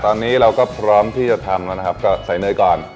ตอนนี้เราก็พร้อมที่จะทำแล้วนะครับก็ใส่เนยก่อน